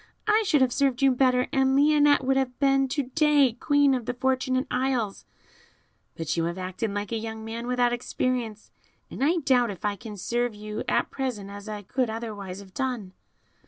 I should have served you better, and Lionette would have been to day Queen of the Fortunate Isles; but you have acted like a young man without experience, and I doubt if I can serve you at present as I could otherwise have done."